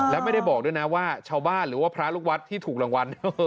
และไม่ได้บอกด้วยนะว่าชาวบ้านหรือว่าพระลูกวัดที่ถูกรางวัล